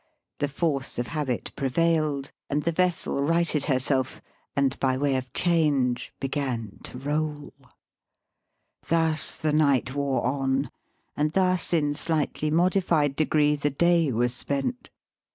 The force of habit prevailed, and the vessel righted herself, and by way of change began to roll. Thus the night wore on, and thus in slightly modified degree the day was spent.